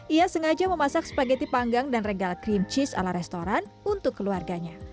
ia sengaja memasak spageti panggang dan regal cream cheese ala restoran untuk keluarganya